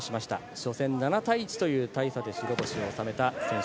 初戦７対１という大差で白星を収めた選手。